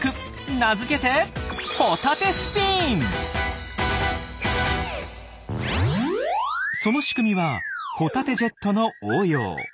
名付けてその仕組みはホタテジェットの応用。